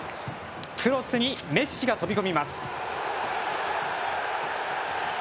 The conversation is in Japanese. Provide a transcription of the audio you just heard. クロスにメッシが飛び込みます。